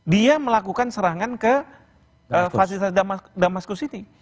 dia melakukan serangan ke fasilitas damascus ini